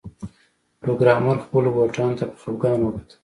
پروګرامر خپلو بوټانو ته په خفګان وکتل